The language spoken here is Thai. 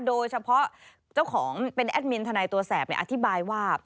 โดยเฉพาะเจ้าของเป็นแอดมินทนายตัวแสบอธิบายว่า